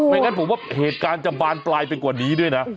อย่างนั้นผมว่าเหตุการณ์จะบานปลายไปกว่านี้ด้วยนะ